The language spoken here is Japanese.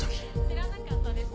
知らなかったです